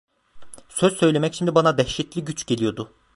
Söz söylemek şimdi bana dehşetli güç geliyordu.